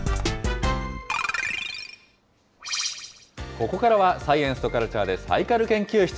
ここからはサイエンスとカルチャーで、サイカル研究室。